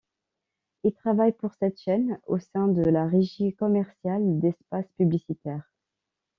Il travaille pour cette chaine au sein de la régie commcerciale d'espaces publicitaires.